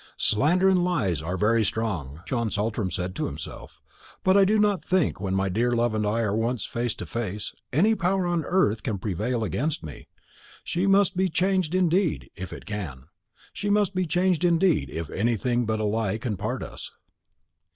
"Slander and lies are very strong," John Saltram said to himself; "but I do not think, when my dear love and I are once face to face, any power on earth can prevail against me. She must be changed indeed, if it can; she must be changed indeed, if anything but a lie can part us."